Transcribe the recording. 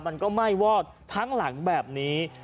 มันก็ไหม้วอดทั้งหลังแบบนี้